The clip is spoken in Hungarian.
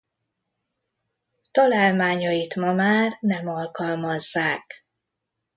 Találmányait ma már nem alkalmazzák.